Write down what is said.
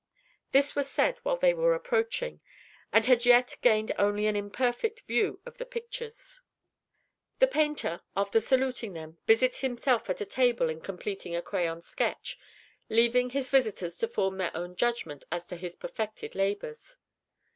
This was said while they were approaching, and had yet gained only an imperfect view of the pictures. The painter, after saluting them, busied himself at a table in completing a crayon sketch, leaving his visitors to form their own judgment as to his perfected labors.